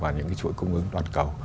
vào những cái chuỗi cung ứng toàn cầu